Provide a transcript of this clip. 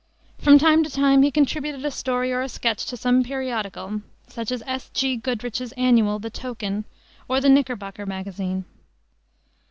From time to time he contributed a story or a sketch to some periodical, such as S. G. Goodrich's Annual, the Token, or the Knickerbocker Magazine.